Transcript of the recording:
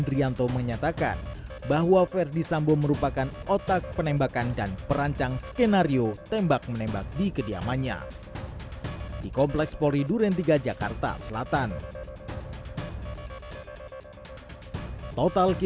tim kusus menemukan bahwa peristiwa tembak menembak seperti yang dilaporkan awal